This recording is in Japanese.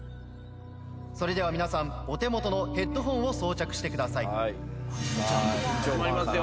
それでは皆さんお手元のヘッドホンを装着してください。